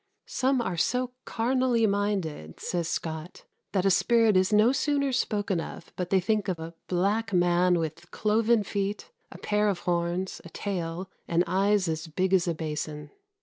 "Some are so carnallie minded," says Scot, "that a spirit is no sooner spoken of, but they thinke of a blacke man with cloven feet, a paire of hornes, a taile, and eies as big as a bason."